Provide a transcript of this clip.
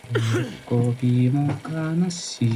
Maz̃ey Middle Pass k̃hetk.